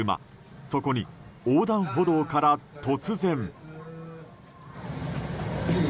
そこに、横断歩道から突然。